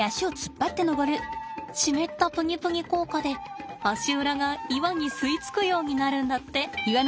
湿ったプニプニ効果で足裏が岩に吸い付くようになるんだって。